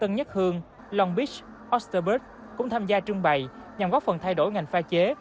tân nhất hương long beach osterbus cũng tham gia trưng bày nhằm góp phần thay đổi ngành pha chế